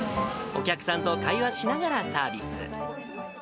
お客さんと会話しながらサービス。